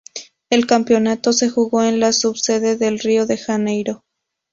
El campeonato se jugó en la subsede de Rio de Janeiro.